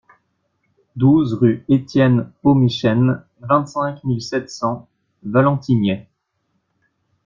douze rue Étienne Oehmichen, vingt-cinq mille sept cents Valentigney